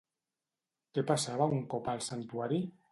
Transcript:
Què passava un cop al santuari?